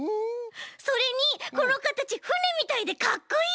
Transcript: それにこのかたちふねみたいでかっこいい！